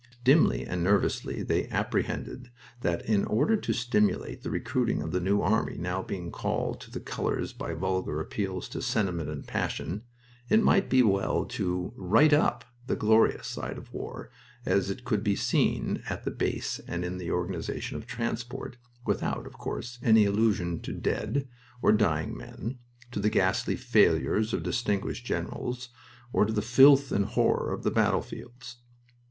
Dimly and nervously they apprehended that in order to stimulate the recruiting of the New Army now being called to the colors by vulgar appeals to sentiment and passion, it might be well to "write up" the glorious side of war as it could be seen at the base and in the organization of transport, without, of course, any allusion to dead or dying men, to the ghastly failures of distinguished generals, or to the filth and horror of the battlefields.